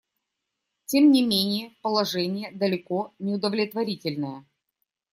Тем не менее положение далеко не удовлетворительное.